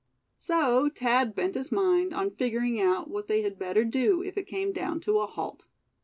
So Thad bent his mind on figuring out what they had better do if it came down to a halt.